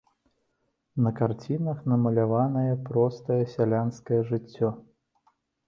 На карцінах намаляванае простае сялянскае жыццё.